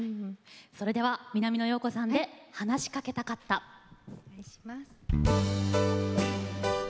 それでは南野陽子さんで「話しかけたかった」。お願いします。